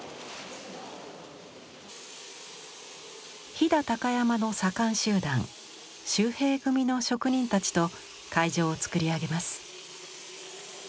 飛騨高山の左官集団秀平組の職人たちと会場を作り上げます。